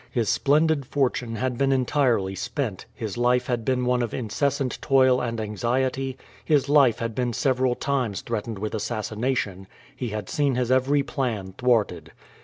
His splendid fortune had been entirely spent, his life had been one of incessant toil and anxiety, his life had been several times threatened with assassination, he had seen his every plan thwarted.